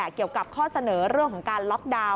เกี่ยวกับข้อเสนอเรื่องของการล็อกดาวน์